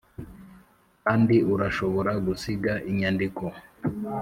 kandi urashobora gusiga inyandiko